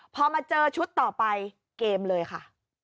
พอมาเจอชุดต่อไปเกมเลยค่ะ